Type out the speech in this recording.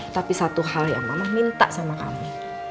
tapi satu hal yang mama minta sama kami